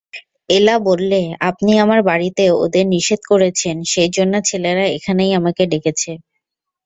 এলা বললে, আপনি আমার বাড়িতে ওদের নিষেধ করেছেন সেইজন্যে ছেলেরা এখানেই আমাকে ডেকেছে।